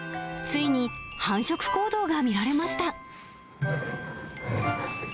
ついに繁殖行動が見られました。